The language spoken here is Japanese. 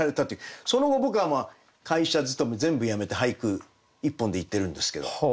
その後僕は会社勤め全部辞めて俳句一本でいってるんですけど。